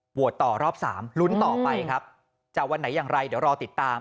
ต่อรอบ๓ลุ้นต่อไปครับจะวันไหนอย่างไรเดี๋ยวรอติดตาม